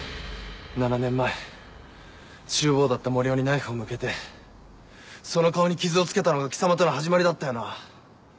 ７年前中坊だった森生にナイフを向けてその顔に傷をつけたのが貴様との始まりだったよな。